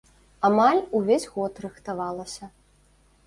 Амаль увесь год рыхтавалася.